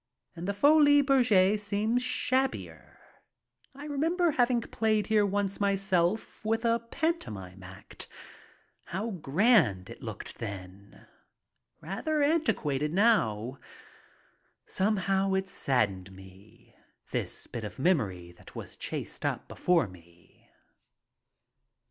And the Folies Bergere seems shabbier. I remember hav ing played here once myself with a pantomime act. How grand it looked then. Rather antiquated now. Somehow it saddened me, this bit of memory that was chased up before me.